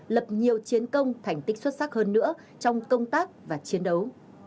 lập nhiều chiến công thành tích xuất sắc hơn nữa trong công tác và chiến đấu